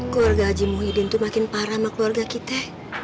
keluarga haji muhyiddin itu makin parah sama keluarga kita